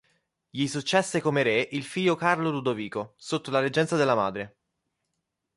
Gli successe come re il figlio Carlo Ludovico, sotto la reggenza della madre.